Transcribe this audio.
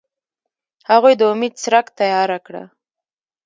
هغوی د امید څرک تیاره کړ.